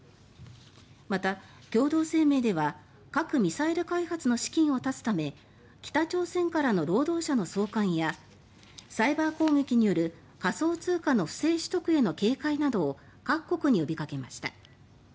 また、共同声明では核・ミサイル開発の資金を断つため北朝鮮からの労働者の送還やサイバー攻撃による仮想通貨の不正取得への警戒などを各国に呼びかけました。